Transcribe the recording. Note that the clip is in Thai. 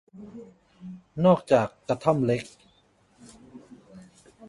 นอกจากกระท่อมเล็ก